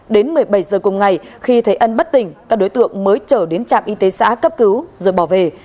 đến một mươi bảy giờ cùng ngày khi thấy ân bất tỉnh các đối tượng mới trở đến trạm y tế xã cấp cứu rồi bỏ về